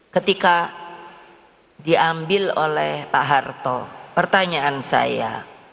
ketika diambil oleh pak harto pertanyaan saya